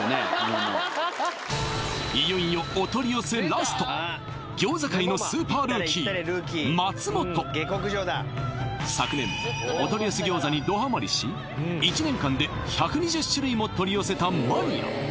いよいよお取り寄せラスト昨年お取り寄せ餃子にどハマりし１年間で１２０種類も取り寄せたマニア